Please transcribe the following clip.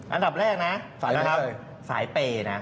อันดับแรกนะสายเป่นะ